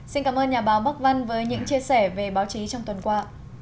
xin cảm ơn nhà báo bắc văn với những chia sẻ về báo chí trong tuần qua